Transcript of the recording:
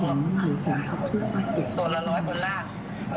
ส่วนละร้อยบนราก